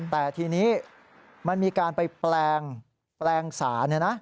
แต่ทีนี้มันมีการไปแปลงสาร